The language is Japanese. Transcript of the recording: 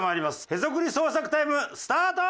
へそくり捜索タイムスタート！